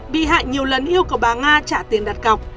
bị hại nhiều lần yêu cầu bà nga trả tiền đặt cọc